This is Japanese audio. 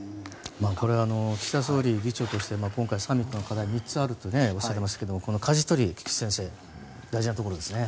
これは岸田総理議長として今回サミットの課題は３つあるとおっしゃいますが菊地先生、かじ取りが大事なところですね。